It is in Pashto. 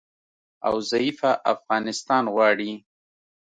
او ضعیفه افغانستان غواړي